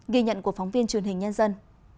ghi nhận của phóng viên truyền hình nhân dân